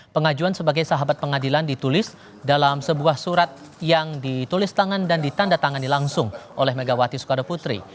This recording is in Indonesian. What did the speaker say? pengajuan sebagai sahabat pengadilan ditulis dalam sebuah surat yang ditulis tangan dan ditanda tangani langsung oleh megawati soekarno putri